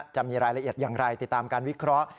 จะมีรายละเอียดอย่างไรติดตามการวิเคราะห์